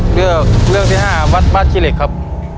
เลือกเรื่องที่๕วัดบ้านขี้เหล็กครับ